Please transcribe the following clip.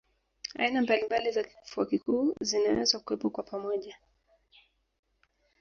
Aina mbalimbali za kifua kikuu zinaweza kuwepo kwa pamoja